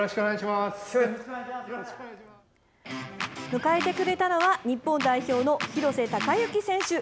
迎えてくれたのは日本代表の廣瀬隆喜選手。